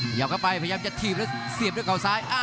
พยายามจะถีบและเสียบด้วยเขาซ้าย